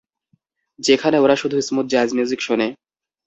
যেখানে ওরা শুধু স্মুথ জ্যাজ মিউজিক শোনে।